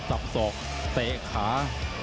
ทรัพย์สอบเตะขา